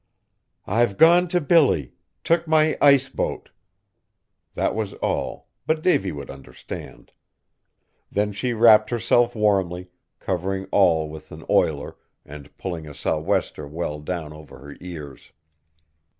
"I've gone to Billy. Took my ice boat." That was all, but Davy would understand. Then she wrapped herself warmly, covering all with an oiler and pulling a sou'wester well down over her ears.